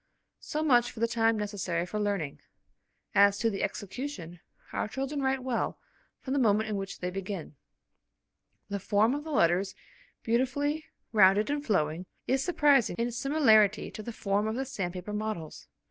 So much for the time necessary for learning. As to the execution, our children write well from the moment in which they begin. The form of the letters, beautifully rounded and flowing, is surprising in its similarity to the form of the sandpaper models.